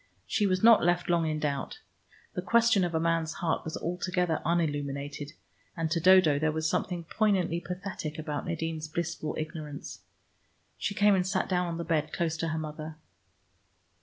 She was not left long in doubt. The question of a man's heart was altogether unilluminated, and to Dodo there was something poignantly pathetic about Nadine's blissful ignorance. She came and sat down on the bed close to her mother.